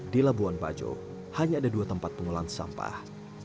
di labuan pajo hanya ada dua tempat pengulang sampah